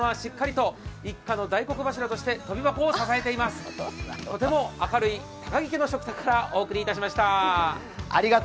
とても明るい高木家の食卓からお送りしました。